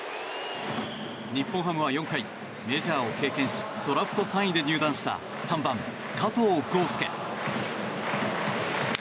日本ハムは４回メジャーを経験しドラフト３位で入団した３番、加藤豪将。